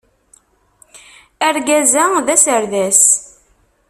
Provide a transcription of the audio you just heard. Argaz-a d aserdas.